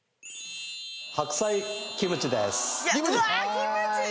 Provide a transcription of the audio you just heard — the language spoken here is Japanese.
白菜キムチです。